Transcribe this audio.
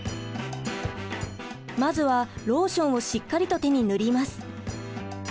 まずはローションをしっかりと手に塗ります。